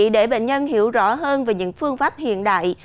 để bệnh nhân hiểu rõ hơn về những phương pháp hiện đại